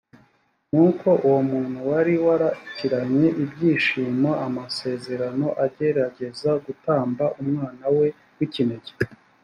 nuko uwo muntu wari warakiranye ibyishimo amasezerano agerageza gutamba umwana we w’ikinege